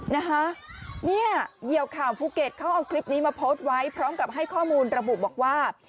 นะคะเนี่ยเหยียวข่าวภูเก็ตเขาเอาคลิปนี้มาโพสต์ไว้พร้อมกับให้ข้อมูลระบุบอกว่า